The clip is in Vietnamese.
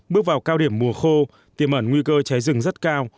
bước vào cao điểm mùa khô tiềm ẩn nguy cơ cháy rừng rất cao